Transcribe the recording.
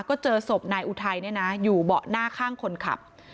ก็เจอศพนายอุทัยอยู่เบาะหน้าข้างคนขับ